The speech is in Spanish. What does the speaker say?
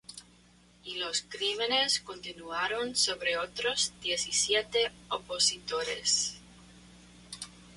Y los crímenes continuaron sobre otros diecisiete opositores.